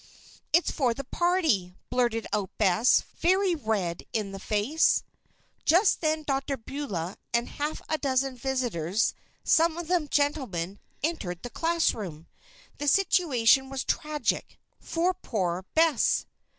"It's for the party," blurted out Bess, very red in the face. Just then Dr. Beulah and half a dozen visitors some of them gentlemen entered the classroom. The situation was tragic for poor Bess.